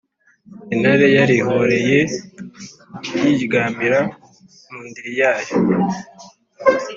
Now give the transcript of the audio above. intare yarihoreye yiryamira mu ndiri yayo.